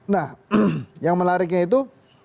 nah yang menariknya itu